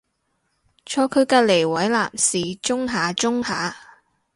坐佢隔離位男士舂下舂下